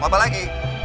mau apa lagi